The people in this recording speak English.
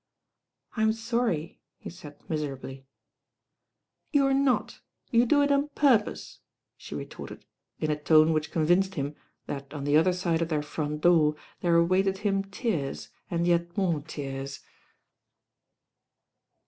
"I'm sorry," he said miserably. "You're not, you do it on purpose," she retorted in a tone which convinced him that on the other side of their front door there awaited him tears, and yet more tears.